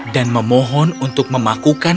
dan memohon untuk memakukan